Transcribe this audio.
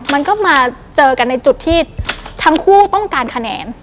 มันก็มาเจอกันในจุดที่ทั้งคู่ต้องการคะแนน